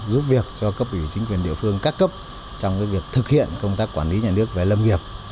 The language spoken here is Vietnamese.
giúp việc cho cấp ủy chính quyền địa phương các cấp trong việc thực hiện công tác quản lý nhà nước về lâm nghiệp